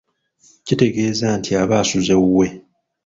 Kitegeeza nti aba asuze wuwe.